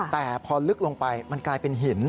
แต่พอลึกลงไปมันกลายเป็นหิน